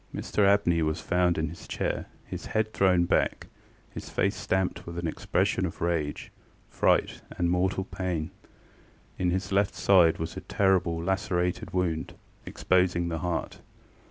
ŌĆØ Mr Abney was found in his chair, his head thrown back, his face stamped with an expression of rage, fright, and mortal pain. In his left side was a terrible lacerated wound, exposing the heart.